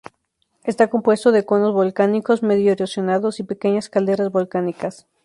Está compuesto de conos volcánicos medio erosionados y pequeñas calderas volcánicas.